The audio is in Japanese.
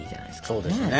そうですね。